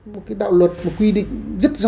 một cái đạo luật một quy định rất rõ